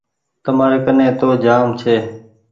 تمآري ڪني تو جآم ڇي۔